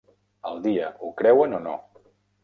El dia ho creuen o no!